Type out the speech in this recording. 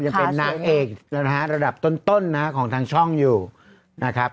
ยังเป็นนางเอกนะฮะระดับต้นนะฮะของทางช่องอยู่นะครับ